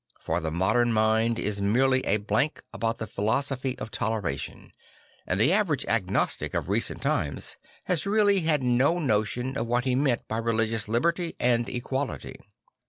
For the modern mind is merely a blank about the philo sophy of toleration; and the a verage agnostic of recent times has really had no notion of what he meant by religious liberty and equality.